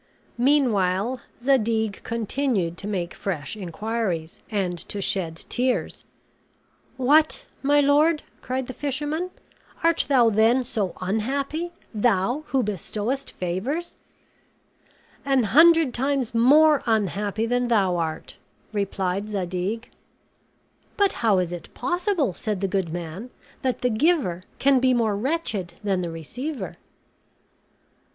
Meanwhile, Zadig continued to make fresh inquiries, and to shed tears. "What, my lord!" cried the fisherman, "art thou then so unhappy, thou who bestowest favors?" "An hundred times more unhappy than thou art," replied Zadig. "But how is it possible," said the good man, "that the giver can be more wretched than the receiver?"